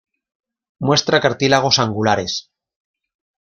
Muestra cartílagos angulares.